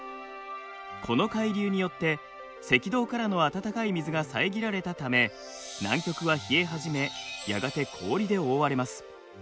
この海流によって赤道からの温かい水が遮られたため南極は冷え始めやがて氷で覆われます。